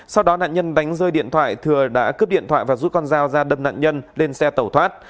sau đó nạn nhân đánh rơi điện thoại thừa đã cướp điện thoại và rút con dao ra đâm nạn nhân lên xe tẩu thoát